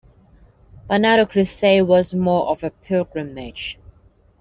By now the crusade was more of a pilgrimage.